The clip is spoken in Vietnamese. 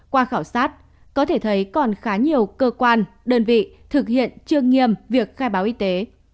qua khảo sát có thể thấy còn khá nhiều cơ quan đơn vị thực hiện chưa nghiêm việc khai báo y tế